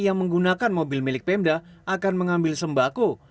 yang menggunakan mobil milik pemda akan mengambil sembako